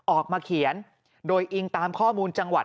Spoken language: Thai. ออกมาเขียนโดยอิงตามข้อมูลจังหวัด